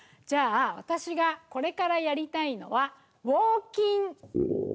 じゃあ私がこれからやりたいのはウォーキン。